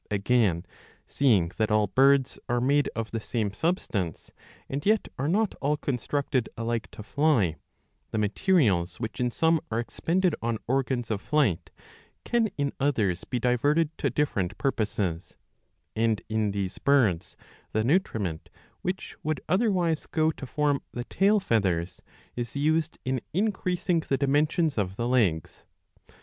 ^ Again, seeing that all birds are made of the same substance,^ and yet are not all constructed alike to fly, the materials which in some are expended on organs of flight can in others be diverted to different purposes ; and in these birds the nutriment which would otherwise go to form the tail feathers is used in increasing the dimensions of the legs.